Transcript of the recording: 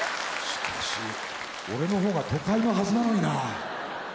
俺の方が都会のはずなのにな。